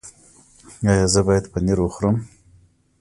ایا زه باید پنیر وخورم؟